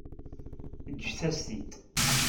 Ǧǧet-as-t-id.